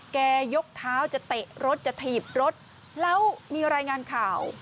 ยกเท้าจะเตะรถจะถีบรถแล้วมีรายงานข่าว